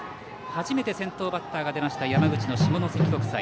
初めて先頭バッターが出ました山口の下関国際。